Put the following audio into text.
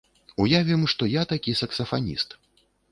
Уявім, што я такі саксафаніст.